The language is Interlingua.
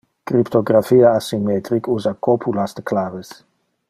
Cryptographia asymmetric usa copulas de claves.